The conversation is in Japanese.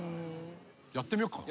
やってみよっかな。